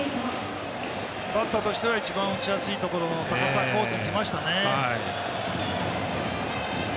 バッターとしては一番打ちやすいところの高さコースにきましたね。